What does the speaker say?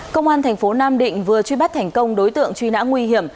công an thành phố nam định vừa truy bắt thành công đối tượng truy nã nguy hiểm